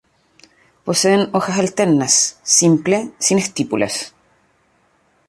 Poseen hojas alternas, simple, sin estípulas.